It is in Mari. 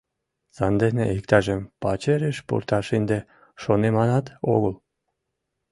Сандене иктажым пачерыш пурташ ынде шоныманат огыл.